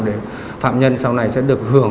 để phạm nhân sau này sẽ được hưởng